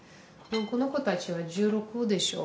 この子たちは１６でしょ。